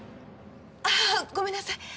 ああごめんなさい！